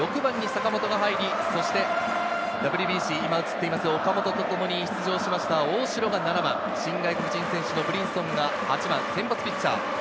ＷＢＣ・岡本とともに出場しました、大城が７番、新外国人選手のブリンソンが８番、先発ピッチャー。